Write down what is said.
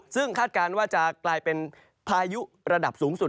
ซึ่งคาดการณ์ว่าจะกลายเป็นพายุระดับสูงสุด